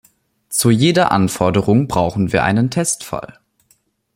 Zu jeder Anforderung brauchen wir einen Testfall.